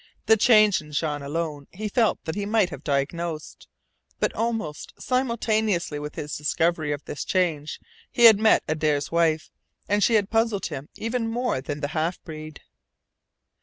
The change in Jean alone he felt that he might have diagnosed, but almost simultaneously with his discovery of this change he had met Adare's wife and she had puzzled him even more than the half breed.